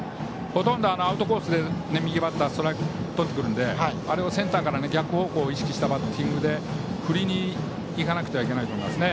ほとんどアウトコースで右バッターからストライクをとってくるのであれをセンターからの逆方向を意識したバッティングで振りに行かなくてはいけないと思いますね。